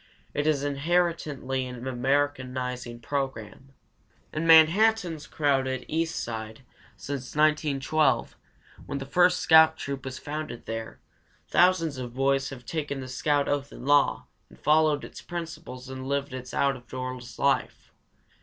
It is inherently an Americanizing program. In Manhattan's crowded East Side, since 1912, when the first scout troop was founded there, thousands of boys have taken the Scout Oath and Law and followed its principles and lived its out of door life.